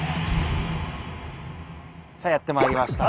さあやってまいりました。